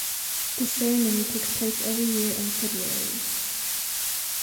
This ceremony takes place every year in February.